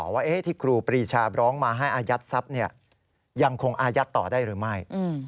ว่าที่ครูปรีชาบร้องมาให้อายัดทรัพย์ยังคงอายัดต่อได้หรือไม่